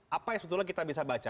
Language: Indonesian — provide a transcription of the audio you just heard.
apa yang sebetulnya kita bisa baca